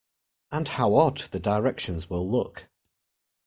And how odd the directions will look!